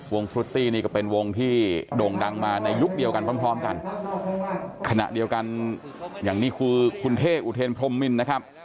ฟรุตตี้นี่ก็เป็นวงที่โด่งดังมาในยุคเดียวกันพร้อมพร้อมกันขณะเดียวกันอย่างนี้คือคุณเท่อุเทนพรมมินนะครับ